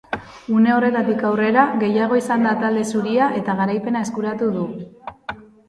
Une horretatik aurrera, gehiago izan da talde zuria eta garaipena eskuratu du.